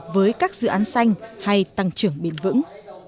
với các dự án xanh hay tăng trưởng bền vững